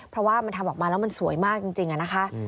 เพราะว่ามันทำออกมาแล้วมันสวยมากจริงนะคะ